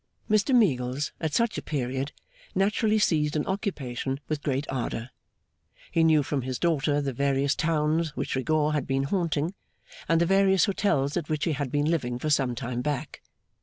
Mr Meagles, at such a period, naturally seized an occupation with great ardour. He knew from his daughter the various towns which Rigaud had been haunting, and the various hotels at which he had been living for some time back.